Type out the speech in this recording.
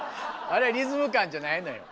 あれはリズム感じゃないのよ。